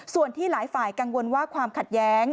ส่วนที่หลายฝ่ายกังวลว่าความขัดแย้ง